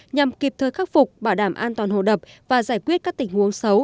nhằm kịp thời khắc phục bảo đảm an toàn hồ đập và giải quyết các tình huống xấu